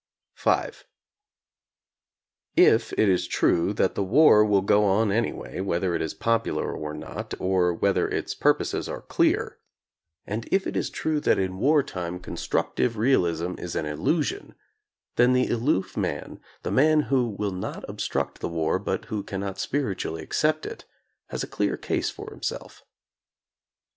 V If it is true that the war will go on anyway whether it is popular or not or whether its pur poses are clear, and if it is true that in wartime con structive realism is an illusion, then the aloof man, the man who will not obstruct the war but who cannot spiritually accept it, has a clear case for himself.